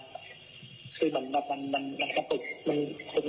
คือตุ้มมือเคาะไปทันไกลฟื้น